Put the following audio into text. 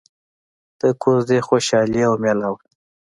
د کوژدې خوشحالي او ميله وه.